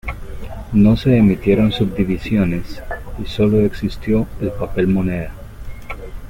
No se emitieron subdivisiones, y sólo existió el papel moneda.